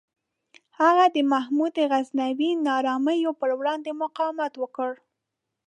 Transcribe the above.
هغه د محمود غزنوي نارامیو پر وړاندې مقاومت وکړ.